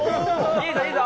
いいぞ、いいぞ。